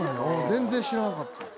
全然知らなかった。